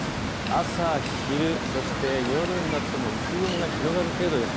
朝昼そして夜になっても薄雲が広がる程度です。